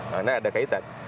karena ada kaitan